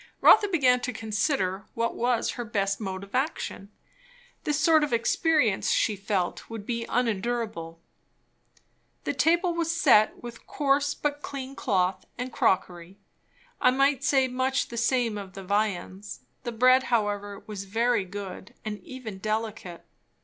Rotha began to consider what was her best mode of action. This sort of experience, she felt, would be unendurable. The table was set with coarse but clean cloth and crockery. I might say much the same of the viands. The bread however was very good, and even delicate.